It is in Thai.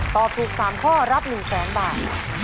ตอบถูก๓ข้อรับ๑แสนบาท